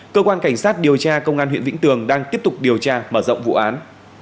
cơ quan cảnh sát điều tra công an huyện vĩnh tường đang tiếp tục điều tra mở rộng vụ án